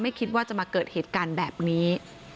คิดว่าจะมาเกิดเหตุการณ์แบบนี้